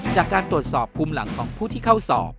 จากการตรวจสอบกลุ่มหลังของผู้ที่เข้าสอบ